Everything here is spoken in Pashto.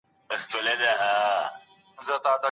دا زما او ستا دنده ده.